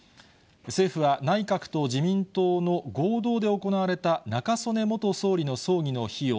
政府は内閣と自民党の合同で行われた中曽根元総理の葬儀の費用